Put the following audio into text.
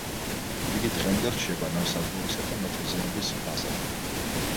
იგი დღემდე რჩება ნავსადგურისა და მეთევზეობის ბაზად.